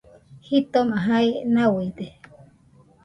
Jitoma jae nauide